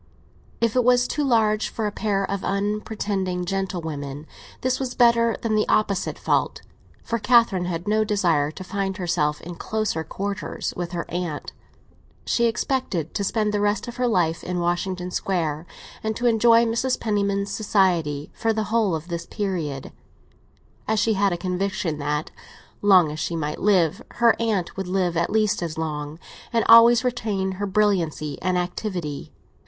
If it was too large for a pair of unpretending gentlewomen, this was better than the opposite fault; for Catherine had no desire to find herself in closer quarters with her aunt. She expected to spend the rest of her life in Washington Square, and to enjoy Mrs. Penniman's society for the whole of this period; as she had a conviction that, long as she might live, her aunt would live at least as long, and always retain her brilliancy and activity.